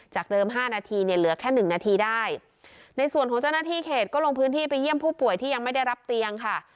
เดิมห้านาทีเนี่ยเหลือแค่หนึ่งนาทีได้ในส่วนของเจ้าหน้าที่เขตก็ลงพื้นที่ไปเยี่ยมผู้ป่วยที่ยังไม่ได้รับเตียงค่ะ